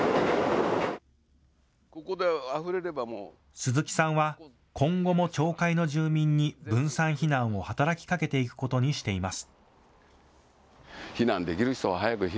鈴木さんは今後も町会の住民に分散避難を働きかけていくことにしています。